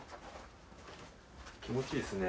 気持ちいいですね。